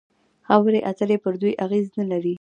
خبرې اترې پر دوی اغېز نلري.